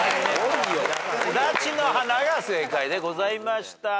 すだちの花が正解でございました。